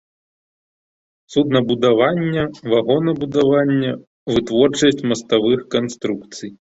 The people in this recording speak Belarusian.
Суднабудаванне, вагонабудаванне, вытворчасць маставых канструкцый.